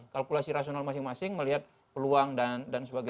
kalkulasi rasional masing masing melihat peluang dan sebagainya